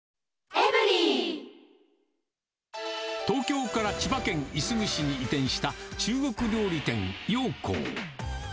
東京から千葉県いすみ市に移転した中国料理店、揚江。